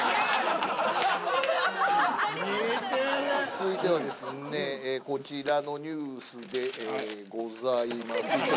続いてはですねこちらのニュースでございます。